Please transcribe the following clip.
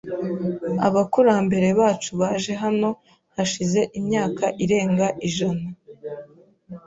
Abakurambere bacu baje hano hashize imyaka irenga ijana.